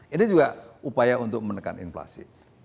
ini juga upaya untuk menekan inflasi